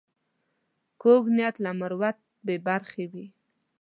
کوږ نیت له مروت بې برخې وي